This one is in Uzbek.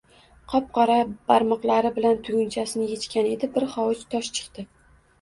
Qop-qora barmoqlari bilan tugunchasini yechgan edi, bir hovuch tosh chiqdi.